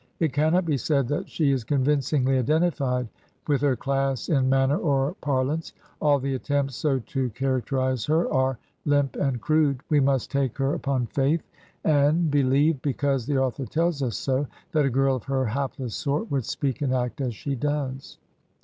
It cannot be said that she is convincingly identified with her class in manner or parlance; all the attempts so to characterize her are limp and crude; we must take her upon faith, and be lieve, because the author tells us so, that a girl of her hapless sort would speak and act as she does.